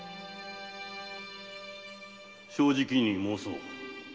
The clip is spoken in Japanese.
正直に申そう。